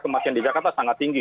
kematian di jakarta sangat tinggi